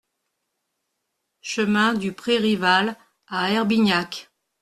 Chemin du Pré Rival à Herbignac